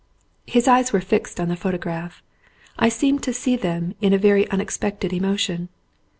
His eyes were fixed on the photograph. I seemed to see in them a very unexpected emotion.